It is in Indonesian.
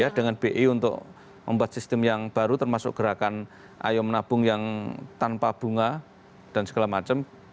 ya dengan bi untuk membuat sistem yang baru termasuk gerakan ayo menabung yang tanpa bunga dan segala macam